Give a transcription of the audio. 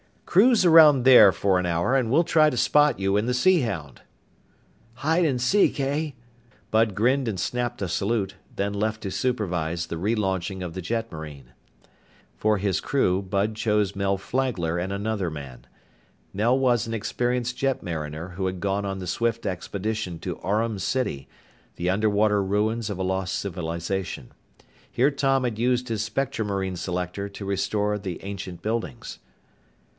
"Cruise around there for an hour and we'll try to spot you in the Sea Hound." "Hide and seek, eh?" Bud grinned and snapped a salute, then left to supervise the relaunching of the jetmarine. For his crew, Bud chose Mel Flagler and another man. Mel was an experienced jetmariner who had gone on the Swift expedition to Aurum City, the underwater ruins of a lost civilization. Here Tom had used his spectromarine selector to restore the ancient buildings.